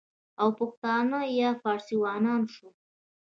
او پښتانه یا فارسیوانان شول،